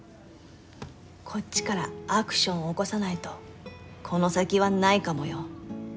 こっちからアクション起こさないとこの先はないかもよ？